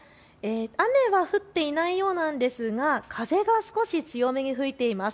雨は降っていないようなんですが風が少し強めに吹いています。